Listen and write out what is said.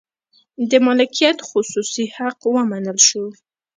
د مالکیت خصوصي حق ومنل شو.